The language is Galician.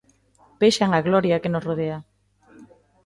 Vexan... a gloria que nos rodea.